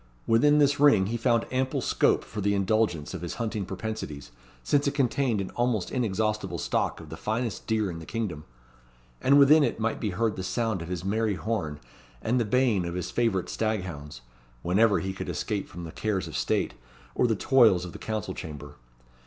Within this ring he found ample scope for the indulgence of his hunting propensities, since it contained an almost inexhaustible stock of the finest deer in the kingdom; and within it might be heard the sound of his merry horn, and the baying of his favourite stag hounds, whenever he could escape from the cares of state, or the toils of the council chamber.